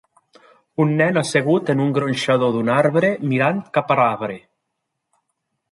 Un nen assegut en un gronxador d'un arbre mirant cap a l'arbre.